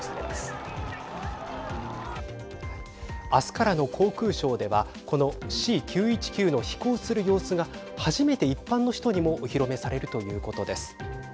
明日からの航空ショーではこのＣ９１９の飛行する様子が初めて一般の人にもお披露目されるということです。